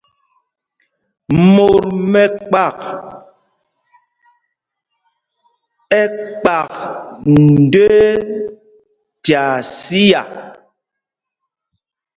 Mot mɛkpak ɛ́ kpak ndə́ə́ tyaa siá.